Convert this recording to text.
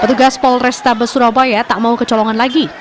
petugas polres tabes surabaya tak mau kecolongan lagi